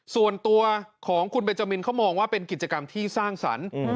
ส่วนตัวของคุณเบนจามินเขามองว่าเป็นกิจกรรมที่สร้างสรรค์